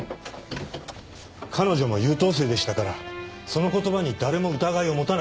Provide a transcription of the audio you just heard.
彼女も優等生でしたからその言葉に誰も疑いを持たなかった。